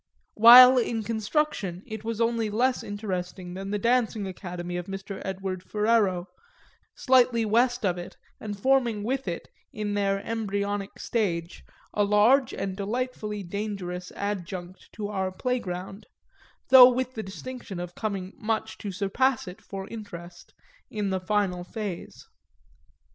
While in construction it was only less interesting than the dancing academy of Mr. Edward Ferrero, slightly west of it and forming with it, in their embryonic stage, a large and delightfully dangerous adjunct to our playground, though with the distinction of coming much to surpass it for interest in the final phase.